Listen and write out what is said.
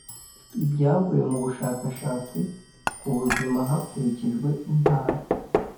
ibyavuye mu bushakashatsi ku buzima hakurikijwe intara